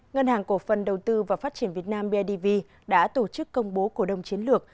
ngân hàng cổ phần đầu tư và phát triển việt nam bidv đã tổ chức công bố cổ đồng chiến lược